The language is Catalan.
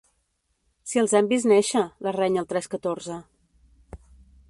Si els hem vist néixer –la renya el Trescatorze–.